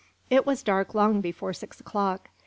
It was dark long before six o'clock.